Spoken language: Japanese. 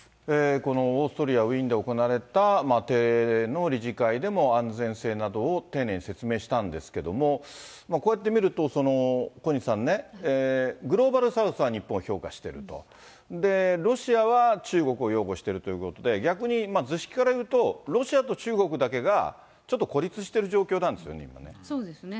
このオーストリア・ウィーンで行われた定例の理事会でも、安全性などを丁寧に説明したんですけれども、こうやって見ると、小西さんね、グローバルサウスは日本を評価していると、ロシアは中国を擁護しているということで、逆に図式から言うと、ロシアと中国だけが、ちょっと孤立してる状況なんですよね、そうですね。